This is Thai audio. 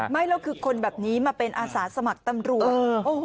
ไม่แล้วคือคนแบบนี้มาเป็นอาสาสมัครตำรวจ